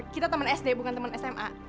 kita temen sd bukan temen sma